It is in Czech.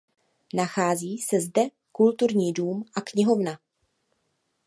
Nachází se zde kulturní dům a knihovna.